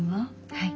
はい！